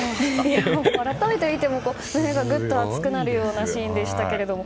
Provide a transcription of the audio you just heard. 改めて見ても胸がぐっと熱くなるようなシーンでしたが。